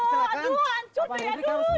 aduh ancur deh aduh